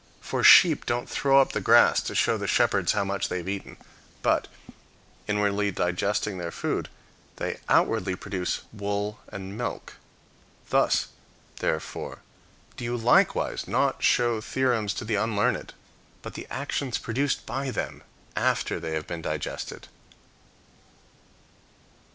For sheep don't throw up the grass to show the shepherds how much they have eaten; but, inwardly digesting their food, they outwardly produce wool and milk. Thus, therefore, do you likewise not show theorems to the unlearned, but the actions produced by them after they have been digested.